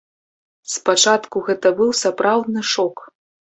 Спачатку гэта быў сапраўдны шок!